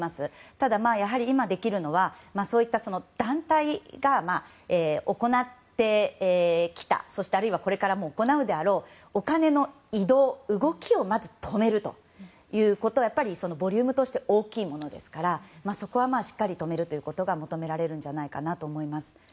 ただ、今できるのはそういった団体が行ってきたそして、あるいはこれから行うであろうお金の移動、動きをまず止めるということはボリュームとして大きいですからしっかり止めるということが求められるのではないかと思います。